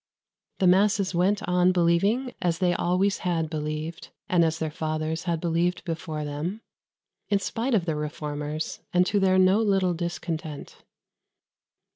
The masses went on believing as they always had believed, and as their fathers had believed before them, in spite of the Reformers, and to their no little discontent.